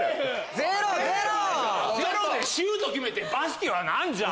ゼロでシュート決めてバスケはなんじゃん！